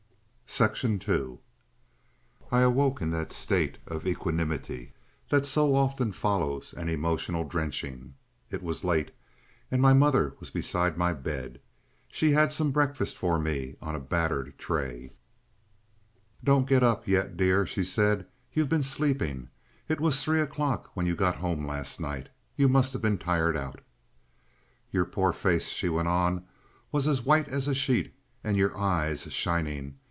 § 2 I awoke in that state of equanimity that so often follows an emotional drenching. It was late, and my mother was beside my bed. She had some breakfast for me on a battered tray. "Don't get up yet, dear," she said. "You've been sleeping. It was three o'clock when you got home last night. You must have been tired out." "Your poor face," she went on, "was as white as a sheet and your eyes shining.